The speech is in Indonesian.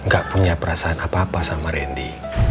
gak punya perasaan apa apa sama randy